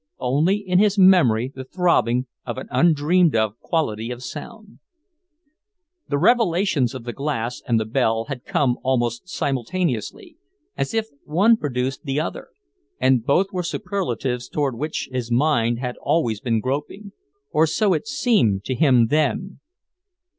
only in his memory the throbbing of an undreamed of quality of sound. The revelations of the glass and the bell had come almost simultaneously, as if one produced the other; and both were superlatives toward which his mind had always been groping, or so it seemed to him then.